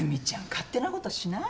勝手なことしない。